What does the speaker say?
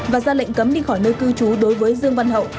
và ra lệnh cấm đi khỏi nơi cư trú đối với dương văn hậu